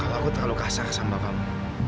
aku terlalu kasar sama kamu